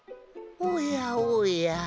おやおや。